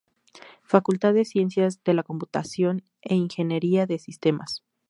Facultad de Ciencias de la Computación e Ingeniería de Sistemas.